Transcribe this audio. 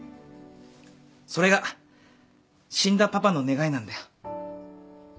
それが死んだパパの願いなんだよ。